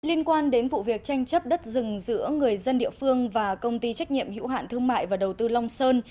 liên quan đến vụ việc tranh chấp đất rừng giữa người dân địa phương và công ty trách nhiệm hữu hạn thương mại và đầu tư long sơn